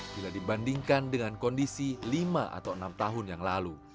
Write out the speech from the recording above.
bila dibandingkan dengan kondisi lima atau enam tahun yang lalu